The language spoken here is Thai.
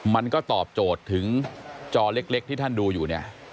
มันก็ตอบโจทย์ถึงจอเล็กที่ท่านดูอยู่เนี่ย